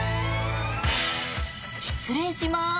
失礼します。